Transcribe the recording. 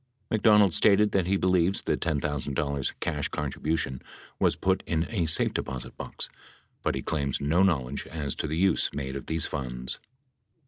McDonald stated that, he believes the $10,000 cash contribution was put in a safe deposit box, but he claims no knowledge as to the use made of these funds.